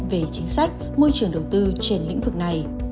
về chính sách môi trường đầu tư trên lĩnh vực này